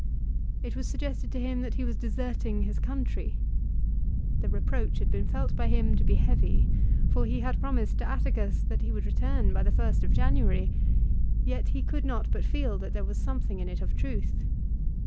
It was suggested to him that he was deserting his country. The reproach had been felt by him to be heavy, for he had promised to Atticus that he would return by the first of January ; yet he could not but feel that there was something in it of truth.